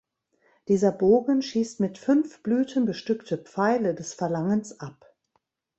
Dieser Bogen schießt mit fünf Blüten bestückte Pfeile des Verlangens ab.